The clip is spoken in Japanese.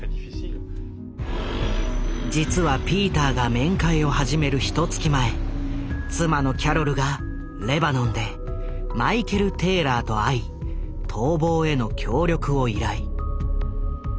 実はピーターが面会を始めるひとつき前妻のキャロルがレバノンでマイケル・テイラーと会い逃亡への協力を依頼。